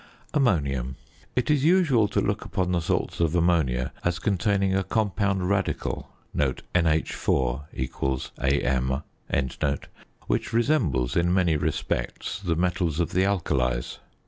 AMMONIUM. It is usual to look upon the salts of ammonia as containing a compound radical (NH_ = Am), which resembles in many respects the metals of the alkalies.